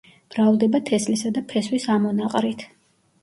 მრავლდება თესლისა და ფესვის ამონაყრით.